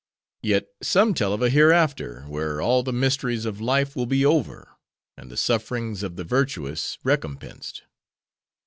Yet, some tell of a hereafter, where all the mysteries of life will be over; and the sufferings of the virtuous recompensed.